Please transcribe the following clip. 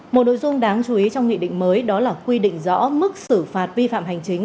một nội dung đáng chú ý trong nghị định mới đó là quy định rõ mức xử phạt vi phạm hành chính